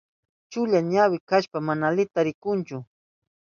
Chulla ñawi kashpan mana alita rikunchu.